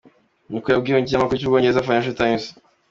" niko yabwiye ikinyamakuru c'Ubwongereza Financial Times.